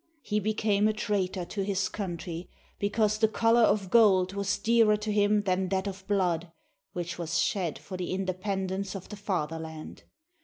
He became a traitor to his country because the color of gold was dearer to him than that of blood, which was shed for the independence of the Fatherland.